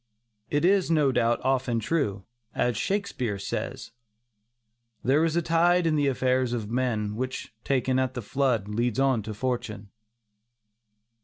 It is, no doubt, often true, as Shakespeare says: "There is a tide in the affairs of men, Which taken at the flood, leads on to fortune."